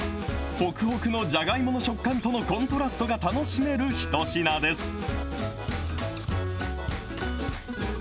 ほくほくのじゃがいもの食感とのコントラストが楽しめる一品です。